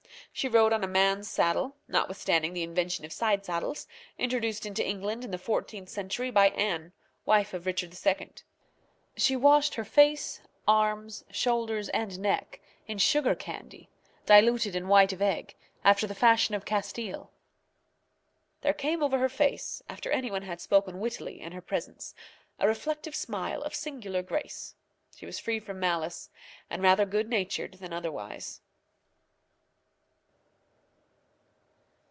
She rode on a man's saddle, notwithstanding the invention of side saddles, introduced into England in the fourteenth century by Anne, wife of Richard II. She washed her face, arms, shoulders, and neck, in sugar candy, diluted in white of egg, after the fashion of Castile. There came over her face, after any one had spoken wittily in her presence, a reflective smile of singular grace. She was free from malice, and rather good natured than otherwise.